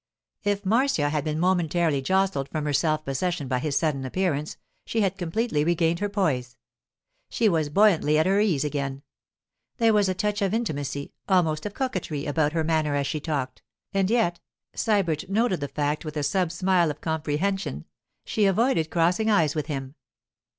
If Marcia had been momentarily jostled from her self possession by his sudden appearance, she had completely regained her poise. She was buoyantly at her ease again. There was a touch of intimacy, almost of coquetry, about her manner as she talked; and yet—Sybert noted the fact with a sub smile of comprehension—she avoided crossing eyes with him.